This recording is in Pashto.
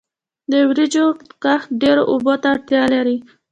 د وریجو کښت ډیرو اوبو ته اړتیا لري.